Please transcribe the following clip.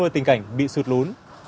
tình cảnh bị sụt lún